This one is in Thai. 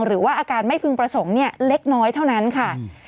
หรือว่าอาการไม่พึงประสงค์เล็กน้อยเท่านั้นค่ะ